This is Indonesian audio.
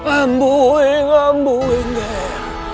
ambuing ambuing ger